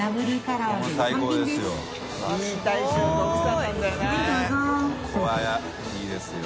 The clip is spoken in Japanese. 海海いいですよ。